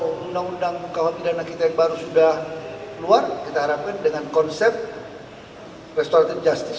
kita harapkan nanti kalau undang undang kawasan pidana kita yang baru sudah keluar kita harapkan dengan konsep restorative justice